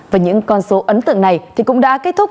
và những con số ấn tượng này thì cũng đã kết thúc